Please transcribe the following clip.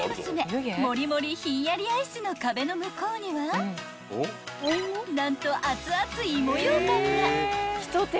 ［盛り盛りひんやりアイスの壁の向こうには何と熱々芋ようかんが］